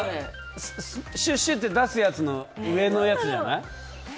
シュッシュッて出すやつの上のやつじゃない？